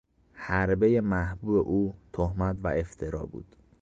حربهی محبوب او تهمت و افترا بود.